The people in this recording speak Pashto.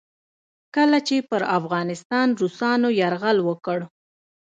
کله چې پر افغانستان روسانو یرغل وکړ.